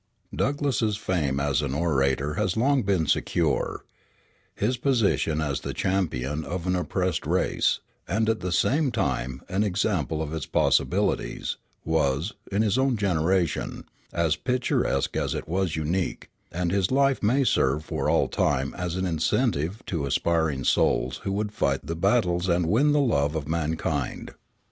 Douglass's fame as an orator has long been secure. His position as the champion of an oppressed race, and at the same time an example of its possibilities, was, in his own generation, as picturesque as it was unique; and his life may serve for all time as an incentive to aspiring souls who would fight the battles and win the love of mankind.